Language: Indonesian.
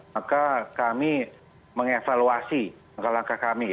maka kami mengevaluasi angka angka kami